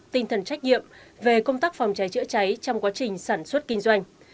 tinh thần trách nhiệm về công tác phòng cháy chữa cháy trong quá trình sản xuất kinh doanh